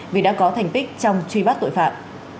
vì đã có thành tích trong truy bắt tội phạm